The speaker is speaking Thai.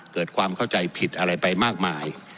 เกิดความเข้าใจผิดอะไรไปมากมาย